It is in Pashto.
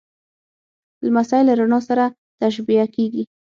لمسی له رڼا سره تشبیه کېږي.